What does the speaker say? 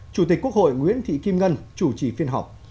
chủ tịch quốc hội nguyễn thị kim ngân chủ trì phiên họp